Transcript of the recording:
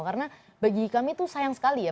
karena bagi kami itu sayang sekali ya